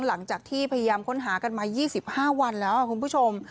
หลังจากที่พยายามค้นหากันมา๒๕วันแล้วคุณผู้ชม